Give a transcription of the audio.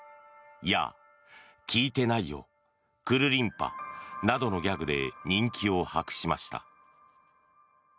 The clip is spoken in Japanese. ヤー！、聞いてないよォくるりんぱっなどのギャグで人気を博しました。